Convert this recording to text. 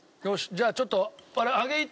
じゃあちょっと。